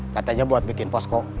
katanya buat bikin posko